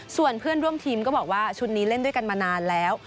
ส่วนเพื่อนร่วมทีมก็บอกว่าชุดนี้เล่นด้วยกันมานานแล้ว